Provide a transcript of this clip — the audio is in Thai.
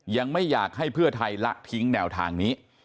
ยังไม่อยากให้เพื่อไทยละทิ้งแนวทางนี้